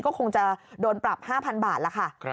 ก็คงจะโดนปรับ๕๐๐บาทแล้วค่ะ